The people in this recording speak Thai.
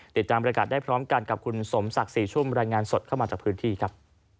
ติดตามบริการได้พร้อมกันกับคุณสมศักดิ์ศรีชุ่มรายงานสดเข้ามาจากพื้นที่ครับ